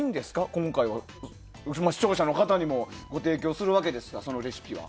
今回は、視聴者の方にもご提供するわけですがそのレシピは。